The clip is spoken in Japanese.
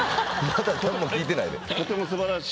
まだなんも聞いてないで。